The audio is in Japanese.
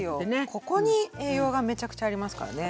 ここに栄養がめちゃくちゃありますからね。